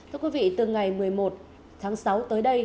thưa quý vị từ ngày một mươi một tháng sáu tới đây